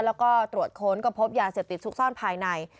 แล้วก็ตรวจค้นก็พบยาเสพติดซุกซ่อนภายใน